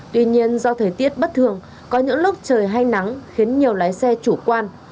tuy nhiên do thời tiết bất thường có những lúc trời hay nắng khiến nhiều lái xe chủ quan